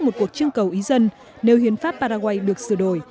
một cuộc trưng cầu ý dân nếu hiến pháp paraguay được sửa đổi